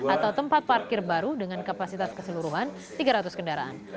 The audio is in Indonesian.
atau tempat parkir baru dengan kapasitas keseluruhan tiga ratus kendaraan